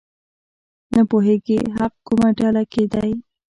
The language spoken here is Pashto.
نه پوهېږي حق کومه ډله کې دی.